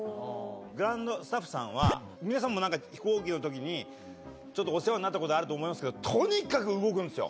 グランドスタッフさんは皆さんもなんか飛行機の時にちょっとお世話になった事あると思いますけどとにかく動くんですよ。